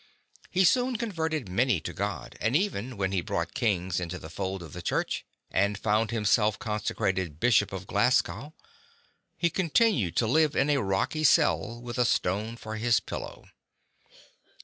He soon converted many to God, and even when he brought Kings into the fold of the Church, and found himself consecrated Bishop of Glasgow, he continued to live in a rocky cell with a stone for his pillow.